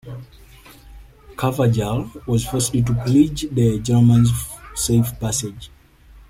Carvajal was forced to pledge the Germans safe passage.